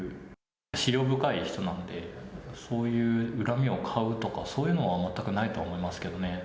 思慮深い人なんで、そういう恨みを買うとか、そういうのは全くないと思いますけどね。